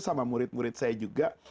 sama murid murid saya juga